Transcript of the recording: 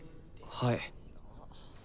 はい。